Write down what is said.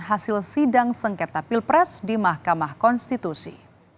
hasil sidang sengketa pilpres di mahkamah konstitusi